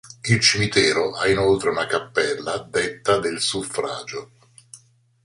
Il cimitero ha inoltre una cappella detta del Suffragio.